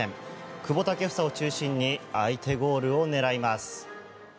久保建英を中心に相手ゴールを狙います。